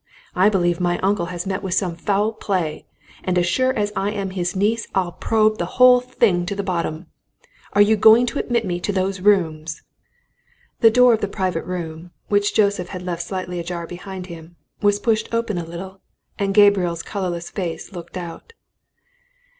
I believe my uncle has met with some foul play and as sure as I am his niece I'll probe the whole thing to the bottom. Are you going to admit me to those rooms?" The door of the private room, which Joseph had left slightly ajar behind him, was pushed open a little, and Gabriel's colourless face looked out.